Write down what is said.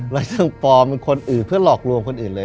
แล้วช่างปลอมเป็นคนอื่นเพื่อหลอกลวงคนอื่นเลย